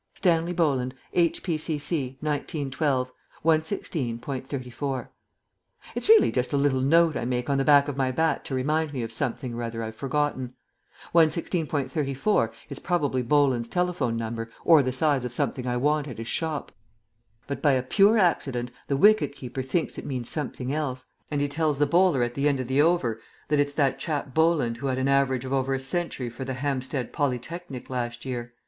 'Stanley Bolland. H.P.C.C., 1912. 116.34.' It's really just a little note I make on the back of my bat to remind me of something or other I've forgotten. 116.34 is probably Bolland's telephone number or the size of something I want at his shop. But by a pure accident the wicket keeper thinks it means something else; and he tells the bowler at the end of the over that it's that chap Bolland who had an average of over a century for the Hampstead Polytechnic last year.